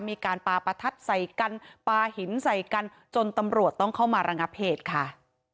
มีการปาประทัดใส่กันปลาหินใส่กันจนตำรวจต้องเข้ามาระงับเหตุค่ะ